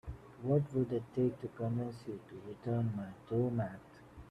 What would it take to convince you to return my doormat?